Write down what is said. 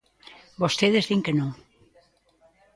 Vostedes din que non.